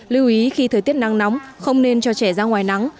lưu ý khi thời tiết nắng nóng không nên cho trẻ ra ngoài nắng